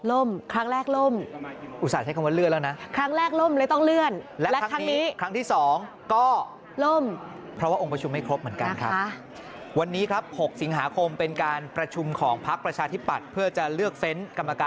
เลื่อนครั้งแรกเลื่อน